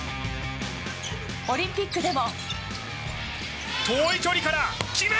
オリンピックでも。